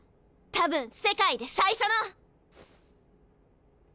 多分世界で最初の！